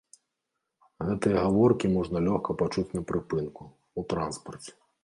Гэтыя гаворкі можна лёгка пачуць на прыпынку, у транспарце.